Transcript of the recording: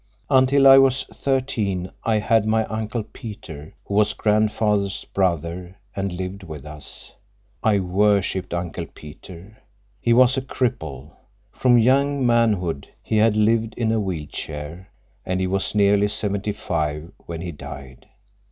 Until I was thirteen I had my Uncle Peter, who was grandfather's brother, and lived with us. I worshiped Uncle Peter. He was a cripple. From young manhood he had lived in a wheel chair, and he was nearly seventy five when he died.